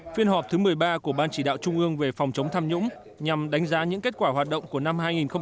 phiên họp thứ một mươi ba của ban chỉ đạo trung ương về phòng chống tham nhũng nhằm đánh giá những kết quả hoạt động của năm hai nghìn một mươi chín